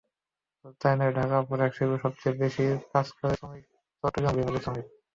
শুধু তা-ই নয়, ঢাকার পোশাকশিল্পে সবচেয়ে বেশি কাজ করে রংপুর বিভাগের শ্রমিক।